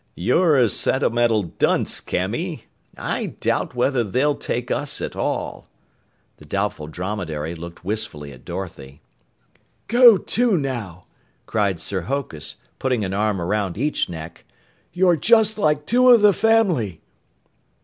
"You're a sentimental dunce, Camy. I doubt whether they'll take us at all!" The Doubtful Dromedary looked wistfully at Dorothy. "Go to, now!" cried Sir Hokus, putting an arm around each neck. "You're just like two of the family!"